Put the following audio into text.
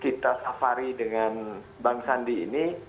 kita safari dengan bang sandi ini